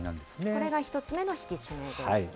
これが１つ目の引き締めですね。